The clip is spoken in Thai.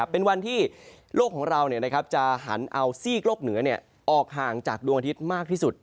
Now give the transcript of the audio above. เป็นวันที่โลกของเราจะหันเอาซีกโลกเหนือออกห่างจากดวงอาทิตย์มากที่สุด